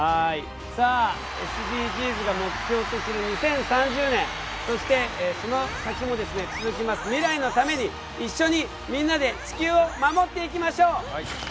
さあＳＤＧｓが目標とする２０３０年そしてその先も続きます未来のために一緒にみんなで地球を守っていきましょう。